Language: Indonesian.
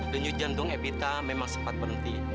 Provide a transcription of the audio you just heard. denyut jantung epita memang sempat berhenti